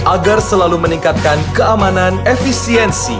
agar selalu meningkatkan keamanan efisiensi